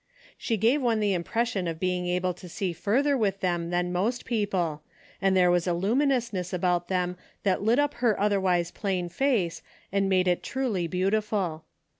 She gave one the impression of being able to see further with them than most people, and there was a luminousness about them that lit up her otherwise plain face, and made it truly beautiful.